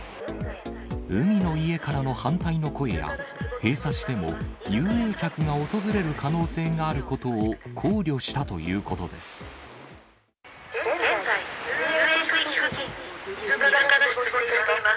海の家からの反対の声や、閉鎖しても遊泳客が訪れる可能性があることを考慮したということ現在、遊泳区域付近にイルカが出没しています。